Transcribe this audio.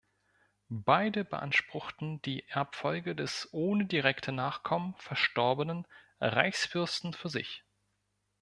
Beide beanspruchten die Erbfolge des ohne direkte Nachkommen verstorbenen Reichsfürsten für sich.